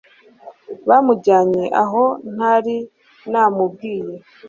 bamujyanye aho ntari namubwiye